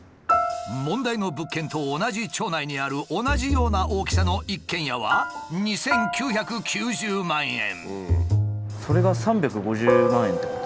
問題の物件と同じ町内にある同じような大きさの一軒家は２，９９０万円。